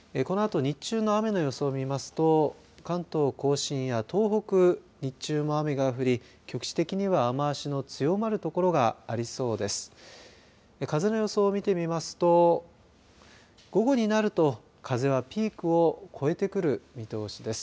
このあと日中の雨の予想を見ますと関東甲信や東北日中も雨が降り、局地的には雨足の強まる所がありそうです。